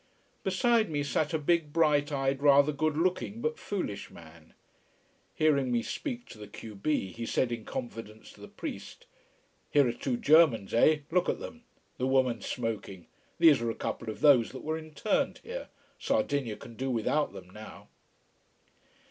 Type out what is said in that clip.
Beside me sat a big, bright eyed, rather good looking but foolish man. Hearing me speak to the q b, he said in confidence to the priest: "Here are two Germans eh? Look at them. The woman smoking. These are a couple of those that were interned here. Sardinia can do without them now."